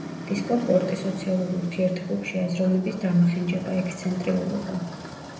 დისკომფორტი სოციალურ ურთიერთობებში, აზროვნების დამახინჯება, ექსცენტრიულობა.